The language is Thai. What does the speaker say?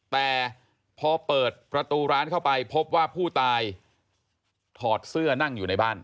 แต่พอเปิดประตูร้านเข้าไปพบว่าผู้ตายถอดเสื้อนั่งอยู่ในบ้าน